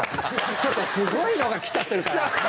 ちょっとすごいのがきちゃってるから。